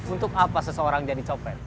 untuk apa seseorang jadi coklat